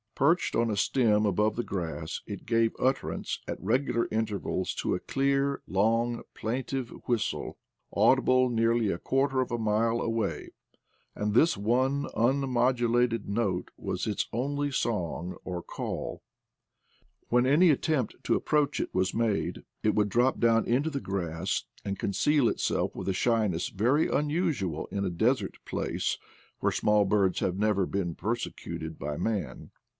Perched on a stem above the grass it gave utterance at regular intervals to a clear, long, plaintive whistle, audi ble nearly a quarter of a ^oile away; and this one unmodulated note was its only song or calL When any attempt to approach it was made it would drop down into the grass, and conceal itself with a shyness very unusual in a desert place where small birds have never been persecuted by man.